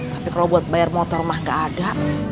tapi kalau buat bayar motor mah gak ada